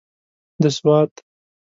د سوات.